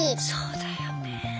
そうだよね。